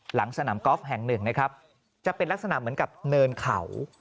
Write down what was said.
หลังสนามกอล์ฟแห่งหนึ่งนะครับจะเป็นลักษณะเหมือนกับเนินเขา